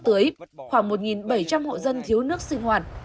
nhiều dân thiếu nước tưới khoảng một bảy trăm linh hộ dân thiếu nước sinh hoạt